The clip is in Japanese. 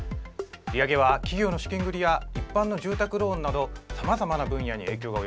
利上げは企業の資金繰りや一般の住宅ローンなどさまざまな分野に影響が